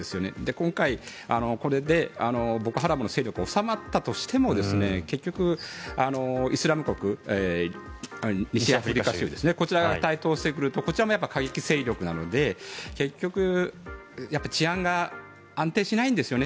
今回、これでボコ・ハラムの勢力が収まったとしても結局、イスラム国西アフリカ州こちらが台頭してくるとこちらも過激勢力なので結局、やはり治安が安定しないんですよね。